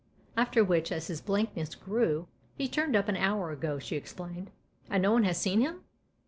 After which, as his blankness grew, " He turned up an hour ago," she explained. " And no one has seen him